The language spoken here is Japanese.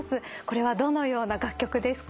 これはどのような楽曲ですか？